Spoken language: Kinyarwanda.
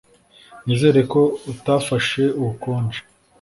Nizere ko utafashe ubukonje